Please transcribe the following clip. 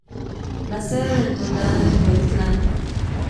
La sede del condado es Wheatland.